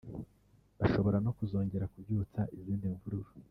bashobora no kongera kubyutsa izindi mvururu